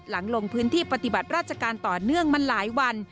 ลงพื้นที่ปฏิบัติราชการต่อเนื่องมาหลายวัน